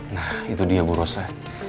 nah itu dia bu rosa